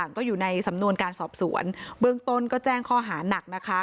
ก็อยู่ในสำนวนการสอบสวนเบื้องต้นก็แจ้งข้อหานักนะคะ